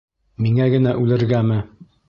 Миңә генә үлергәме?